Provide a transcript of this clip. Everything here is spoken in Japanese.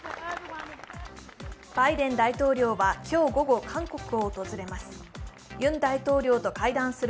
バイデン大統領は今日午後韓国を訪れます。